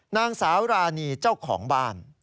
นางสาวรานีเจ้าของบ้าน